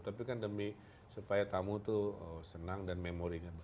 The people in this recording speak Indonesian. tapi kan demi supaya tamu tuh senang dan memori kan